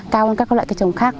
cao hơn các loại cây trồng khác